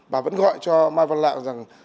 bà vẫn gọi cho mai văn lạng rằng